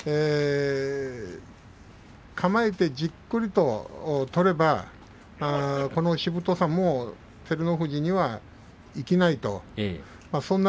構えでじっくりと取ればこのしぶとさも照ノ富士にはいきませんね。